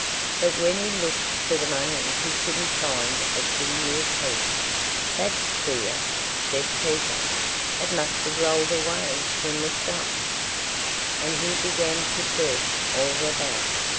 But when he looked for the money he couldn't find a single piece. "That's queer!" said Peter. "It must have rolled away from the stump." And he began to search all about.